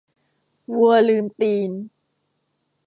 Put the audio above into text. วัวลืมตีน